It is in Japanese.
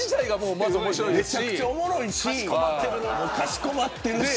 めちゃくちゃ面白いしかしこまってるし。